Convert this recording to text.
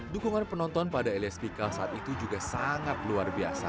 dukungan penonton pada elias pikal saat itu juga sangat luar biasa